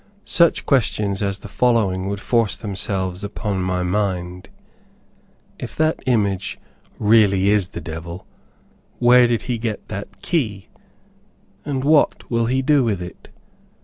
Such questions as the following would force themselves upon my mind. If that image is really the devil, where did he get that key? And what will he do with it?